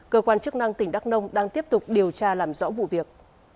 cơ quan chức năng tỉnh đắk nông đang tiếp tục điều tra làm rõ vụ việc